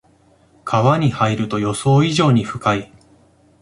川に入ると予想以上に深い